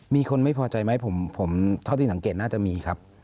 มีคนไม่พอใจไหมผมเท่าที่สังเกตน่าจะมีครับ